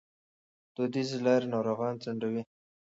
دودیزې لارې ناروغان ځنډوي.